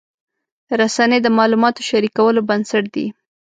رسنۍ د معلوماتو شریکولو بنسټ دي.